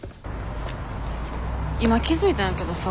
今気付いたんやけどさ。